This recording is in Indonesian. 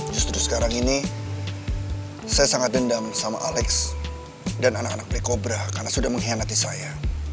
justru sekarang ini saya sangat dendam sama alex dan anak anak beli kobra karena sudah mengkhianati saya